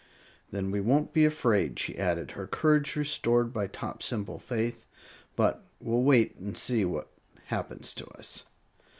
"Then we won't be afraid," she added, her courage restored by Tot's simple faith; "but will wait and see what happens to us."